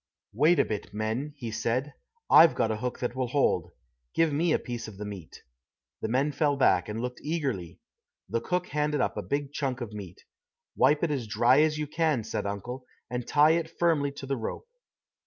"Wait a bit, men," he said. "I've got a hook that will hold. Give me a piece of the meat." The men fell back and looked eagerly. The cook handed up a big chunk of meat. "Wipe it as dry as you can," said uncle, "and tie it firmly to the rope."